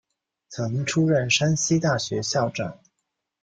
曾出任山西大学校长。